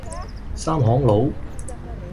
三行佬